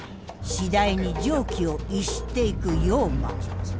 次第に常軌を逸していく陽馬。